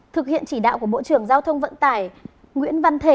thực hiện chỉ đạo của bộ trưởng giao thông vận tải nguyễn văn thể